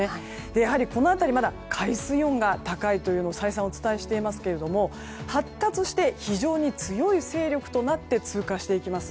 やはり、この辺りはまだ海水温が高いということを再三、お伝えしていますけれども発達して非常に強い勢力となって通過していきます。